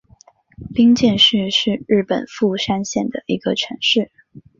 冰见市是日本富山县的一个城市。